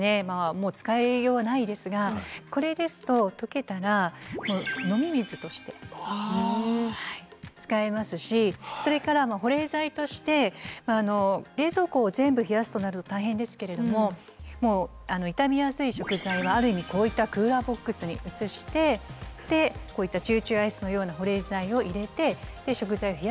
もう使いようがないですがこれですと溶けたらもう飲み水として使えますしそれから保冷剤として冷蔵庫を全部冷やすとなると大変ですけれどももう傷みやすい食材はある意味こういったクーラーボックスに移してでこういったチューチューアイスのような保冷剤を入れて食材を冷やしてあげる。